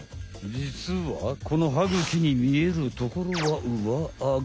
じつはこの歯茎にみえるところはうわアゴ。